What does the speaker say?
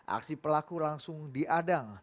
aksi pelaku langsung diadang